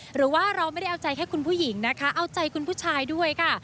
หรือว่าเราไม่ได้เอาใจแค่คุณผู้หญิงนะคะเอาใจคุณผู้ชายด้วยค่ะ